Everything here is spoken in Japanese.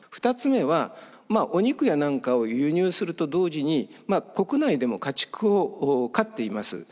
２つ目はお肉や何かを輸入すると同時に国内でも家畜を飼っています。